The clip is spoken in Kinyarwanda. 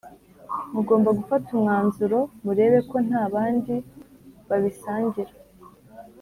mugomba gufata umwanzuro murebe ko nta bandi babisangira.